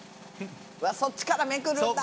そっちからめくるんだ。